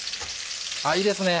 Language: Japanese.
あいいですね